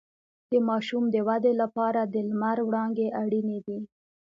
د ماشوم د ودې لپاره د لمر وړانګې اړینې دي